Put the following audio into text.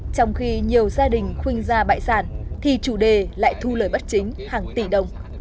trong khi nhiều gia đình khuynh ra bại sản thì chủ đề lại thu lời bất chính hàng tỷ đồng